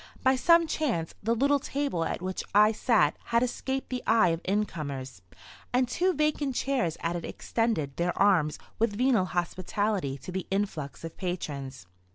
By some chance the little table at which I sat had escaped the eye of incomers, and two vacant chairs at it extended their arms with venal hospitality to the influx of patrons.